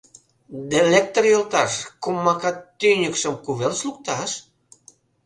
Д-делектыр йолташ, к-комака т-тӱньыкшым кувелыш лукташ?